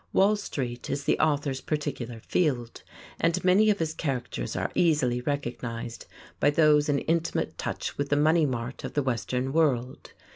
Wall Street is the author's particular field, and many of his characters are easily recognized by those in intimate touch with the money mart of the Western world.